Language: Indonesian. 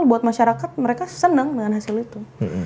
buat masyarakat mereka senang dengan hasil itu